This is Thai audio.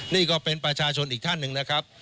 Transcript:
นี่ก็เป็นประชาชนอีกท่านหนึ่งนะครับ